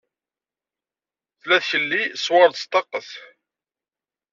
Tella tkelli ṣwared staqqet.